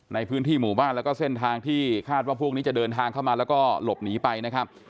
ในพื้นที่หมู่บ้านแล้วก็เส้นทางที่คาดว่าพวกนี้จะเดินทางเข้ามาแล้วก็หลบหนีไปนะครับ